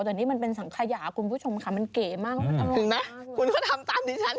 แต่นี่มันเป็นสังขยาคุณผู้ชมค่ะมันเก๋มากถึงนะคุณก็ทำตามดิฉัน